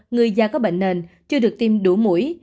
người già có bệnh nền chưa được tiêm đủ mũi